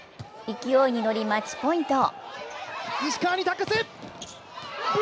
勢いに乗りマッチポイント。